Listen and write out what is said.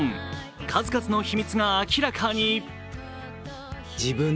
数々の秘密が明らかに。